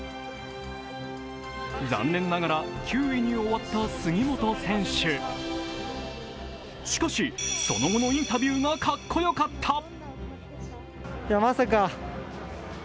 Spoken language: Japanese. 残念ながら９位に終わった杉本選手しかし、その後のインタビューがかっこよかった。